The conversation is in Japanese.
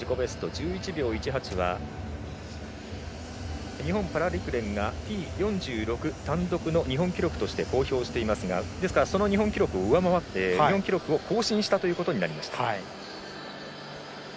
１１秒１８は日本パラ陸連がＴ４６単独の日本記録として公表していますがですからその日本記録を上回って日本記録を更新したということになりました。